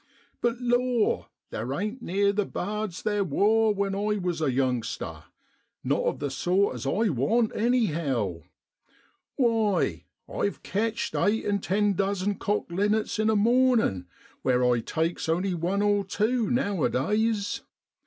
But law! theer ain't neer the bards theer wor when I was a youngster, not of the sort as I want, anyhow. Why, I've ketcht eight an' ten dozen cock linnets in a mornin' where I takes only one or tew nowadays.